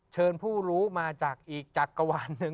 เชิญผู้รู้มาจากอีกจักรวาลหนึ่ง